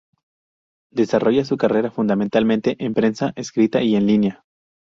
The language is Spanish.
Desarrolla su carrera fundamentalmente en prensa escrita y en línea.